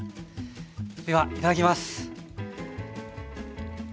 ではいただきます。